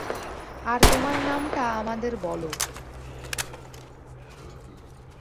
আর তোমার নামটা আমাদের বলো।